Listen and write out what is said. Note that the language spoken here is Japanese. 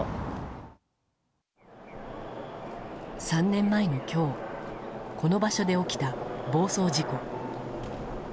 ３年前の今日この場所で起きた、暴走事故。